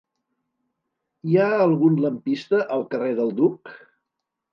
Hi ha algun lampista al carrer del Duc?